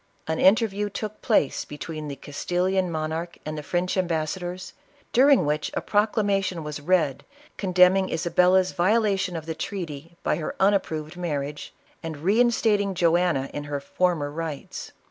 An interview took place between the Castillian mon arch and the French ambassadors, during which a proclamation was read, condemning Isabella's violation of the treaty by hefun approved marriage, and reinstat ing Joanna in her former rights.